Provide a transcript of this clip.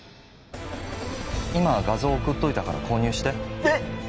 今画像送っといたから購入してえっ！